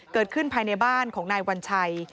เกิดขึ้นภายในบ้านของนายวัญชัย